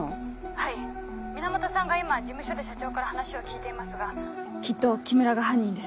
はい源さんが今事務所で社長から話を聞いていますがきっと木村が犯人です。